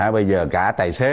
bây giờ cả tài xế